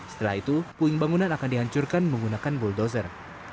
setelah itu puing bangunan akan dihancurkan menggunakan bulldozer